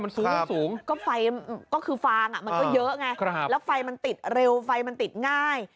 มันสูงมันสูงก็ไฟก็คือฟางมันก็เยอะไงแล้วไฟมันติดเร็วไฟมันติดง่าย